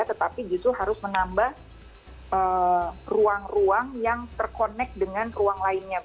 tetapi justru harus menambah ruang ruang yang terkonek dengan ruang lainnya